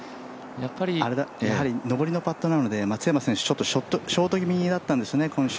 やはり上りのパットなので松山選手、ちょっとショート気味だったんですね、今週。